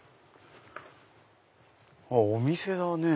お店だね